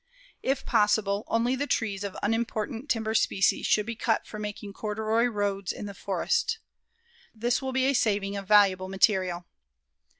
If possible, only the trees of unimportant timber species should be cut for making corduroy roads in the forests. This will be a saving of valuable material.